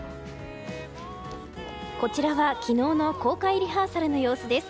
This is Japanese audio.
こちらは昨日の公開リハーサルの様子です。